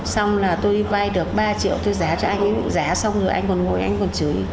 xong là tôi đi vay được ba triệu tôi giá cho anh ấy giá xong rồi anh ấy còn ngồi anh ấy còn chửi